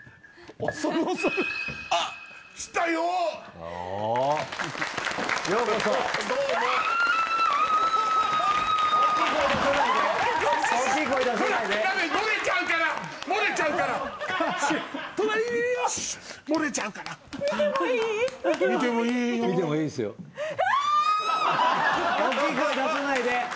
おっきい声出さないで！